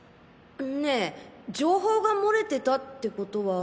ねえ情報が漏れてたって事は。